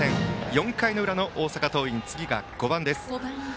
４回裏の大阪桐蔭次が５番です。